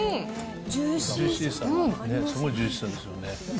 ジューシーさが、すごいジューシーさですよね。